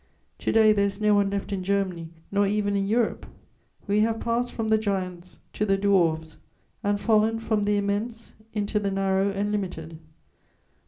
To day there is no one left in Germany, nor even in Europe: we have passed from the giants to the dwarfs and fallen from the immense into the narrow and limited.